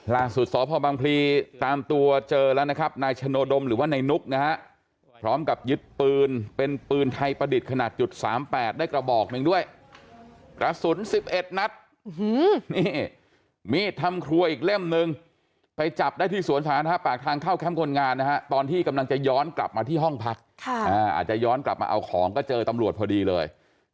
สพบังพลีตามตัวเจอแล้วนะครับนายชโนดมหรือว่าในนุกนะฮะพร้อมกับยึดปืนเป็นปืนไทยประดิษฐ์ขนาดจุดสามแปดได้กระบอกหนึ่งด้วยกระสุน๑๑นัดนี่มีดทำครัวอีกเล่มนึงไปจับได้ที่สวนสาธารณะปากทางเข้าแคมป์คนงานนะฮะตอนที่กำลังจะย้อนกลับมาที่ห้องพักอาจจะย้อนกลับมาเอาของก็เจอตำรวจพอดีเลย